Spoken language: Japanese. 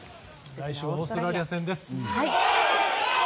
来週はオーストラリア戦です。